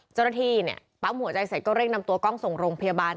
เจ้าหน้าที่เนี่ยปั๊มหัวใจเสร็จก็เร่งนำตัวกล้องส่งโรงพยาบาล